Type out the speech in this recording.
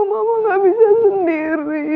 mama gak bisa sendiri